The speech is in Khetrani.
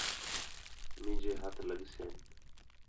میںجے ہتھ لڳسن